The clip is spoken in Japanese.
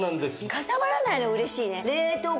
かさばらないの嬉しいね。